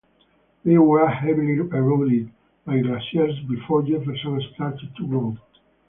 They were heavily eroded by glaciers before Jefferson started to grow.